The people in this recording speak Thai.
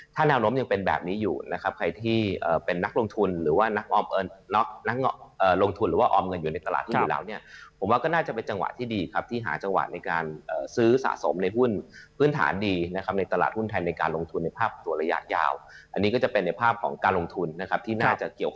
ถ้าแนวโน้มยังเป็นแบบนี้อยู่นะครับใครที่เป็นนักลงทุนหรือว่านักลงทุนหรือว่าออมเงินอยู่ในตลาดหุ้นอยู่แล้วเนี่ยผมว่าก็น่าจะเป็นจังหวะที่ดีครับที่หาจังหวะในการซื้อสะสมในหุ้นพื้นฐานดีนะครับในตลาดหุ้นไทยในการลงทุนในภาพตัวระยะยาวอันนี้ก็จะเป็นในภาพของการลงทุนนะครับที่น่าจะเกี่ยว